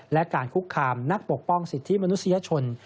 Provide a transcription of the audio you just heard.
และการคุกคามนักปกป้องสิทธิมนุษยชน